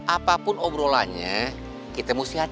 apapun obrolannya kita mesti hati hati